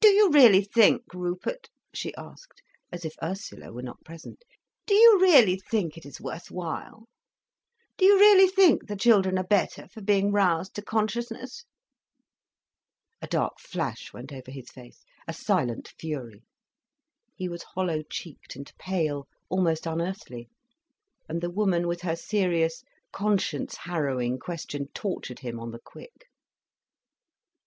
"Do you really think, Rupert," she asked, as if Ursula were not present, "do you really think it is worth while? Do you really think the children are better for being roused to consciousness?" A dark flash went over his face, a silent fury. He was hollow cheeked and pale, almost unearthly. And the woman, with her serious, conscience harrowing question tortured him on the quick.